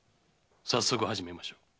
早速始めましょう。